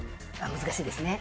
難しいですね。